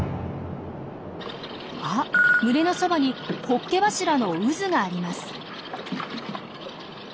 あっ群れのそばにホッケ柱の渦があります。